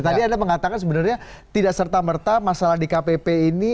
tadi anda mengatakan sebenarnya tidak serta merta masalah di kpp ini